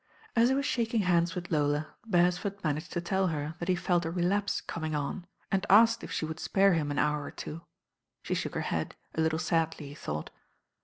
As he was shaking hands with Lola, Beresford managed to tell her that he felt a relapse coming on, and asked if she would spare him an hour or two. She shook her head, a little sa^y, he thought.